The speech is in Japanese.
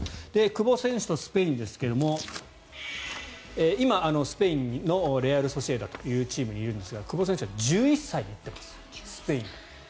久保選手とスペインですが今、スペインのレアル・ソシエダというチームにいるんですが久保選手は１１歳で行っていますスペインに。